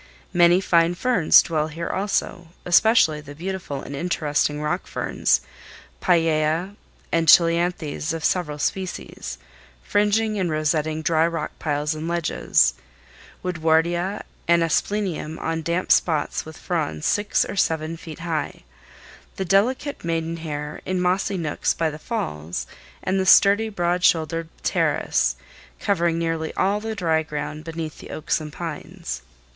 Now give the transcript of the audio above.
Many fine ferns dwell here also, especially the beautiful and interesting rock ferns—pellaea, and cheilanthes of several species—fringing and rosetting dry rock piles and ledges; woodwardia and asplenium on damp spots with fronds six or seven feet high; the delicate maiden hair in mossy nooks by the falls, and the sturdy, broad shouldered pteris covering nearly all the dry ground beneath the oaks and pines.